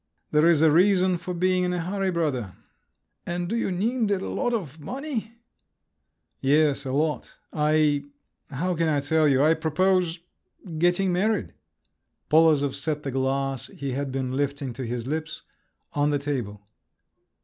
"There is a reason for being in a hurry, brother." "And do you need a lot of money?" "Yes, a lot. I … how can I tell you? I propose … getting married." Polozov set the glass he had been lifting to his lips on the table.